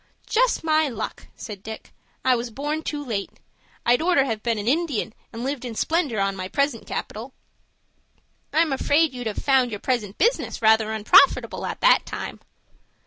"Just my luck," said Dick; "I was born too late. I'd orter have been an Indian, and lived in splendor on my present capital." "I'm afraid you'd have found your present business rather unprofitable at that time."